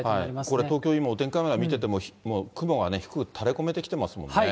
これ、東京、今お天気カメラ見てても、もう雲が低く垂れこめてきてますもんね。